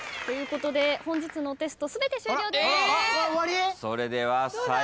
ということで本日のテスト全て終了です。